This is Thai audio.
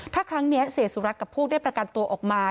ถ้าครั้งนี้เสียสุรัตน์กับพวกได้ประกันตัวออกมา